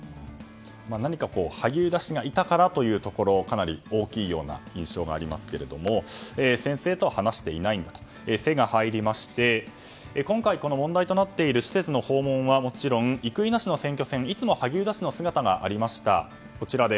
何か、萩生田氏からいたからというところがかなり大きいような印象がありますが先生とは話していないの「セ」が入って今回、問題となっている施設への訪問はもちろん生稲氏の選挙戦にはいつも萩生田氏の姿がありました。